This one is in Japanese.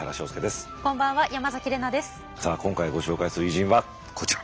今回ご紹介する偉人はこちら。